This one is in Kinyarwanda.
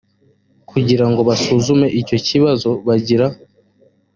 kugira ngo basuzume icyo kibazo bagira